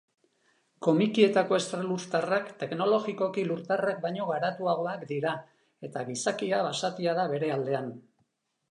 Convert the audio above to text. Komikietako estralurtarrak teknologikoki lurtarrak baino garatuagoak dira, eta gizakia basatia da bere aldean.